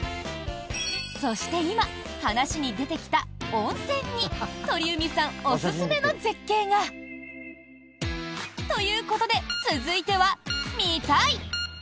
そして今、話に出てきた温泉に鳥海さんおすすめの絶景が！ということで続いては、見たい！